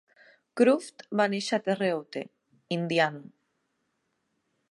Cruft va néixer a Terre Haute, Indiana.